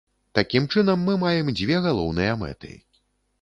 Такім чынам, мы маем дзве галоўныя мэты.